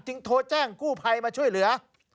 จึงโทรแจ้งกู้ไพมาช่วยเหลือ